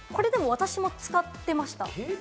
私もこれ使っていました。